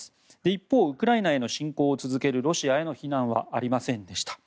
一方、ウクライナへの侵攻を続けているロシアへの非難はありませんでした。